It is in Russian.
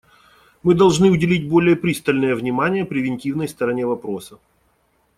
Мы должны уделить более пристальное внимание превентивной стороне вопроса.